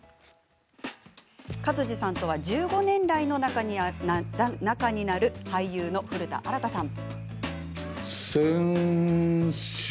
勝地さんとは１５年来の仲になる俳優の古田新太さん。